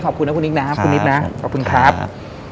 ขอบคุณนะคุณนิบนะครับคุณนิบนะ